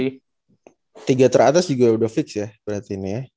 dan tiga teratas juga udah fix ya berarti ini ya